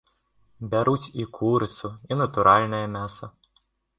Бяруць і курыцу, і натуральнае мяса.